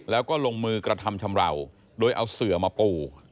แล้วก็ลงมือกระทำชำราวโดยเอาเสือมาปู